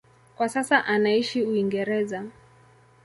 Kwa sasa anaishi Uingereza.